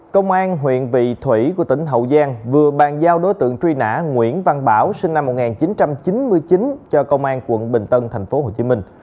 công an huyện vị thủy của tỉnh hậu giang vừa bàn giao đối tượng truy nã nguyễn văn bảo sinh năm một nghìn chín trăm chín mươi chín cho công an quận bình tân thành phố hồ chí minh